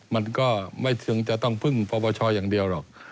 มันก็ไม่ชึงจะต้องเพิ่งประบัชชนิดอย่างเดียวหรอก